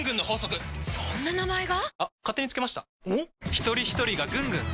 ひとりひとりがぐんぐん！